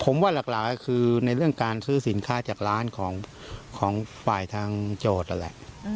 ผมว่าหลักหลากคือในเรื่องการซื้อสินค่าจากร้านของของฝ่ายทางโจทย์อะไรอืม